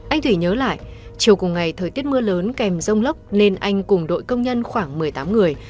anh thủy nhớ lại chiều cùng ngày thời tiết mưa lớn kèm rông lốc nên anh cùng đội công nhân khoảng một mươi tám người